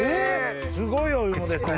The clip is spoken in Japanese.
すごいお芋ですね。